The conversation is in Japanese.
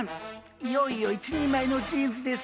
いよいよ一人前のジーンズです。